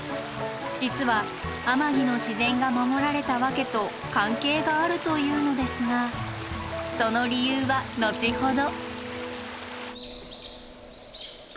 実は天城の自然が守られた訳と関係があるというのですがその理由は後ほど。